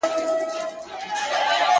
د لفظونو جادوگري، سپین سترگي درته په کار ده~